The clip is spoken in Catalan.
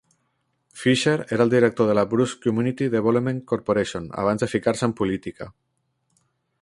Fisher era el director de la Bruce Community Development Corporation abans de ficar-se en política.